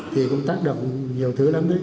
thì cũng tác động nhiều thứ lắm đấy